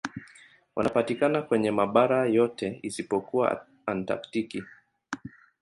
Wanapatikana kwenye mabara yote isipokuwa Antaktiki.